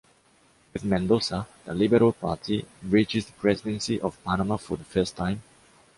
With Mendoza, the Liberal Party reaches the Presidency of Panama for the first time.